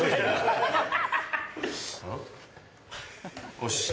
よし！